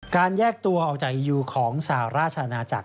แยกตัวออกจากอียูของสหราชอาณาจักร